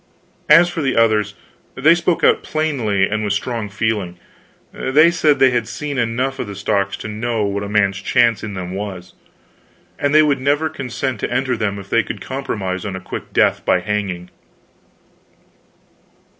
As for the others, they spoke out plainly, and with strong feeling. They said they had seen enough of the stocks to know what a man's chance in them was, and they would never consent to enter them if they could compromise on a quick death by hanging.